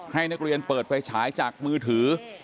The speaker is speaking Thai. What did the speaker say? ให้นักเรียนเปิดไฟฉายจากมือถือ